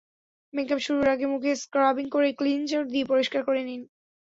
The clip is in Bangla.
মেকআপ শুরুর আগে মুখে স্ক্রাবিং করে ক্লিনজার দিয়ে পরিষ্কার করে নিন।